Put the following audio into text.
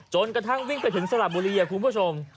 กระทั่งวิ่งไปถึงสระบุรีคุณผู้ชม